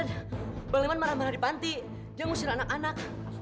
bang sulaiman marah marah di panti dia mengusir anak anak